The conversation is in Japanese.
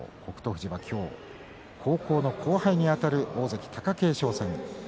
富士は今日高校の後輩にあたる大関貴景勝戦。